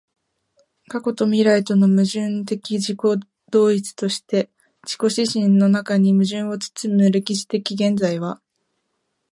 過去と未来との矛盾的自己同一として自己自身の中に矛盾を包む歴史的現在は、